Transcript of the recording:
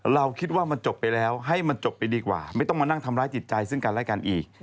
เราคิดว่ามันจบไปแล้วให้มันจบไปดีกว่าไม่ต้องมานั่งทำร้ายจิตใจซึ่งกันและกันอีก